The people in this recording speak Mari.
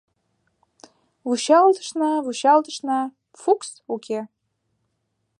Вучалтышна-вучалтышна — Фукс уке.